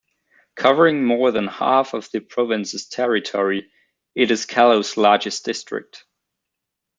Covering more than half of the province's territory, it is Callao's largest district.